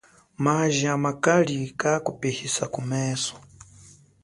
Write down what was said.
Maji amakali kakupihisa kumeso.